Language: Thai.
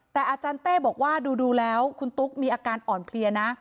แต่อาจารย์เต้บอกว่าดูแล้วคุณตุ๊กมีอาการอ่อนเพลียนะ